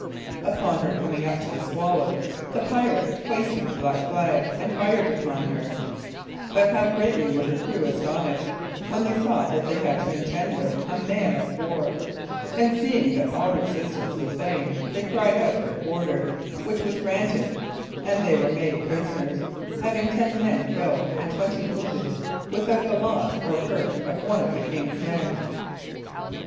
Upon her coming up to the Swallow, the pirate hoisted the black flag, and fired upon her; but how greatly were her crew astonished, when they saw that they had to contend with a man of war, and seeing that all resistance was vain, they cried out for quarter, which was granted, and they were made prisoners, having ten men killed and twenty wounded, without the loss or hurt of one of the king's men.